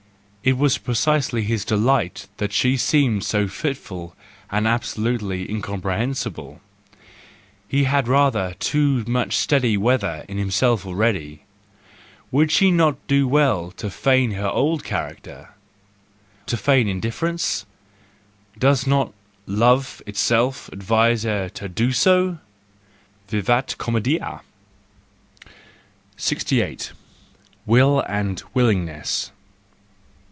It was precisely his delight that she seemed so fitful and absolutely incompre¬ hensible ! He had rather too much steady weather 102 THE JOYFUL WISDOM, II in himself already! Would she not do well to feign her old character? to feign indifference? Does not—love itself advise her to do so ? Vivat comcedia ! 68 . Will and Willingness